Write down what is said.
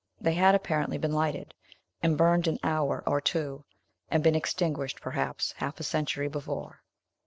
They had apparently been lighted, and burned an hour or two, and been extinguished perhaps half a century before.